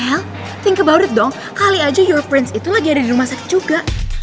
mel think about it dong kali aja your prince itu lagi ada di rumah sakit juga